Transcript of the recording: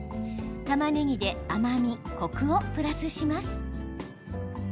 たまねぎで甘み、コクをプラスします。